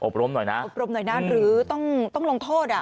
รมหน่อยนะอบรมหน่อยนะหรือต้องลงโทษอ่ะ